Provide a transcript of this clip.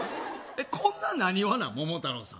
こんななにわなん桃太郎さん